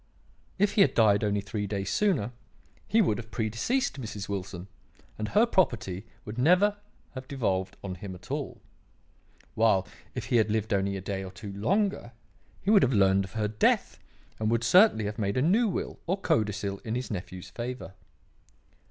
If he had died only three days sooner, he would have predeceased Mrs. Wilson, and her property would never have devolved on him at all; while, if he had lived only a day or two longer, he would have learned of her death and would certainly have made a new will or codicil in his nephew's favour.